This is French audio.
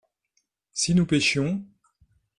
si nous pêchions.